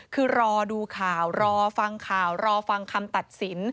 คือรอดูข่าวรอฟังข่าวรอฟังคำตัดสิน